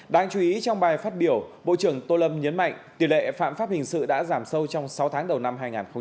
đáng chú ý trong bài phát biểu bộ trưởng tô lâm nhấn mạnh tỷ lệ phạm pháp hình sự đã giảm sâu trong sáu tháng đầu năm hai nghìn hai mươi